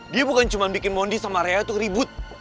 dia bukan cuma bikin mondi sama raya tuh keribut